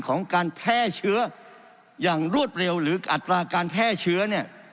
ของการแพร่เชื้ออย่างรวดเร็วหรืออัตราการแพร่เชื้อเนี่ย